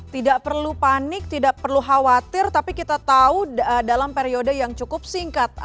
tidak perlu panik tidak perlu khawatir tapi kita tahu dalam periode yang cukup singkat